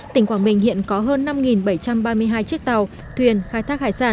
tỉnh quảng bình hiện có hơn năm bảy trăm ba mươi hai chiếc tàu thuyền khai thác hải sản